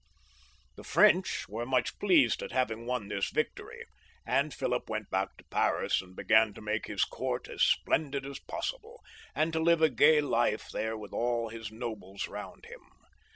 The French were much pleased at having won this^ victory, and Philip went back to Paris, and began to make his court as splendid as possible, and to live a gay life there with all his nobles round him.